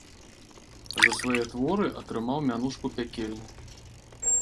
За свае творы атрымаў мянушку пякельны.